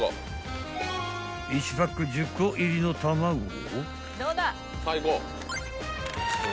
［１パック１０個入りの卵を］